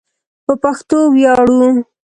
په پښتو ویاړو